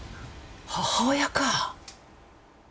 母親か。